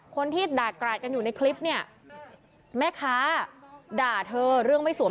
คนที่ด่ากราดกันอยู่ในคลิปเนี่ยแม่ค้าด่าเธอเรื่องไม่สวม